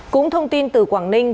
cũng thông tin từ quảng ninh